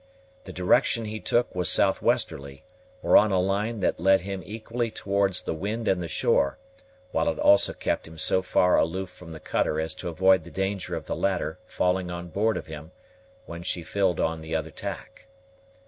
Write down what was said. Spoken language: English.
The direction he took was south westerly, or on a line that led him equally towards the wind and the shore, while it also kept him so far aloof from the cutter as to avoid the danger of the latter falling on board of him when she filled on the other tack.